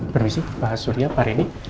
permisi pak surya pak reni